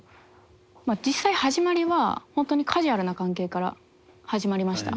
実際始まりは本当にカジュアルな関係から始まりました。